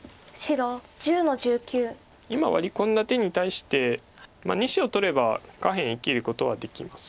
今ワリ込んだ手に対して２子を取れば下辺生きることはできます。